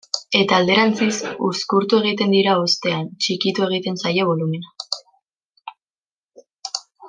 Eta alderantziz, uzkurtu egiten dira hoztean, txikitu egiten zaie bolumena.